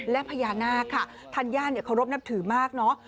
และพญานาคค่ะธัญญาเนี่ยเคารพนับถือมากเนอะ